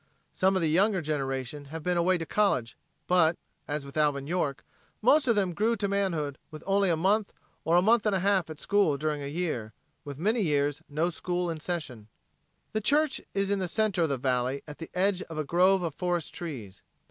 Some of the younger generation have been away to college, but, as with Alvin York, most of them grew to manhood with only a month or a month and a half at school during a year, with many years no school in session. The church is in the center of the valley at the edge of a grove of forest trees.